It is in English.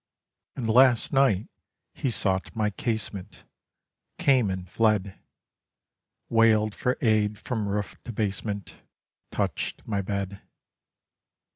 And last night he sought my casement, Came and fled; Wailed for aid from roof to basement, Touched my bed.